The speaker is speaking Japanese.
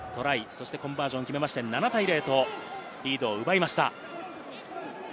そしてコンバージョンを決めて７対０とリードを奪いました。